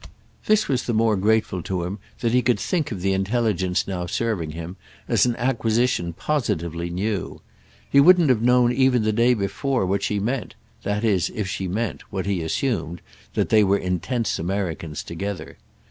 This was the more grateful to him that he could think of the intelligence now serving him as an acquisition positively new. He wouldn't have known even the day before what she meant—that is if she meant, what he assumed, that they were intense Americans together.